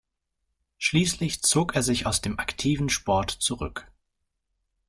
Schließlich zog er sich aus dem aktiven Sport zurück.